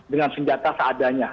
dengan senjata seadanya